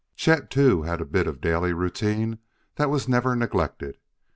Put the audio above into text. Chet, too, had a bit of daily routine that was never neglected.